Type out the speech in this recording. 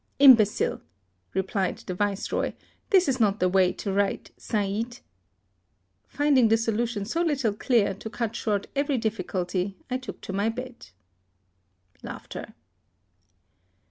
"Imbecile," replied the Viceroy, " this is not the way to write * Said !' Finding the solution so little clear, to cut short every difficulty, I took to my bed."